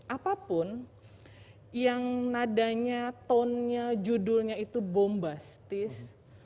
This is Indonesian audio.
apapun yang nadanya tonenya judulnya itu bombastis